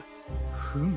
フム。